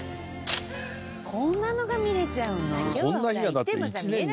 こんなのが見れちゃうの？